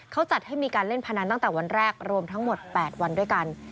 เขาจัดให้มีการเล่นพนันตั้งแต่วันแรกรวมทั้งหมด๘วันด้วยกัน